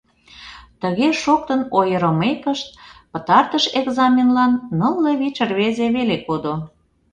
Тыге шоктын ойырымекышт, пытартыш экзаменлан нылле вич рвезе веле кодо.